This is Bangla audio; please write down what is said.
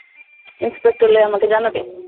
ইন্সপেক্টর এলে আমাকে জানাবে।